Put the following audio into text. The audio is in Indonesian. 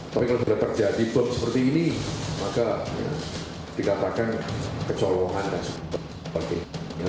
tapi kalau sudah terjadi bom seperti ini maka dikatakan kecolongan dan sebagainya